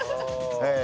ええ。